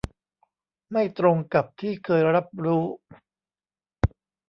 ไม่ตรงกับที่เคยรับรู้